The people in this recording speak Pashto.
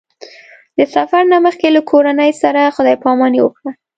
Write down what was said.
د سفر نه مخکې له کورنۍ سره خدای پاماني وکړه.